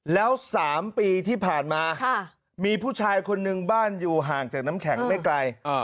แล้ว๓ปีที่ผ่านมามีผู้ชายคนนึงบ้านอยู่ห่างจากน้ำแข็งไม่ไกล